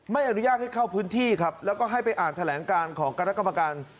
ไม่อนุญาตให้เข้าพื้นที่ครับแล้วก็ให้ไปอ่านแถลงการของคณะกรรมการ